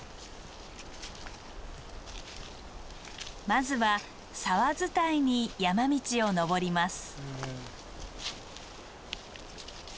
まずは沢伝いに山道を登ります。